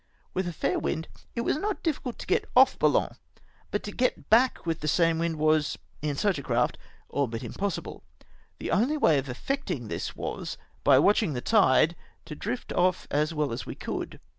With a fair wind it w^as not difficult to cet off Boulogne, but to get back with the same wind was •— in such a craft — all but impossible. Our only way of effecting this was, by watching the tide, to drift off as well as we could.